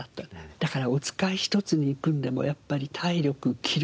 だからお使い一つに行くのでもやっぱり体力気力